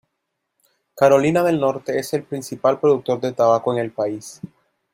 Carolina del Norte es el principal productor de tabaco en el país.